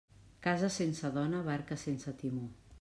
Casa sense dona, barca sense timó.